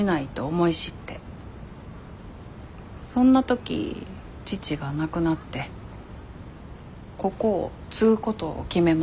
そんな時父が亡くなってここを継ぐことを決めました。